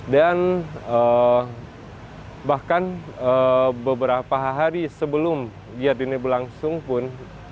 dan bahkan beberapa hari sebelum giat ini berlangsung pun